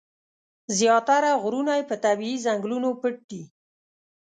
زیاتره غرونه یې په طبیعي ځنګلونو پټ دي.